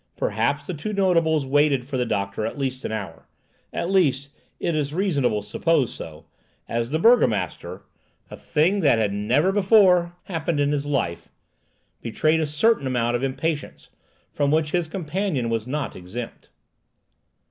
Perhaps the two notables waited for the doctor at least an hour; at least it is reasonable to suppose so, as the burgomaster—a thing that had never before happened in his life—betrayed a certain amount of impatience, from which his companion was not exempt.